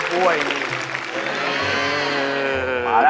ช่วย